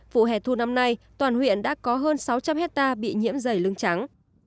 vụ hải thu năm nay toàn huyện đã có hơn sáu trăm linh ha bị nhiễm dày lưng trắng